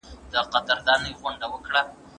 دري ژبه بې ارزښته نه ده.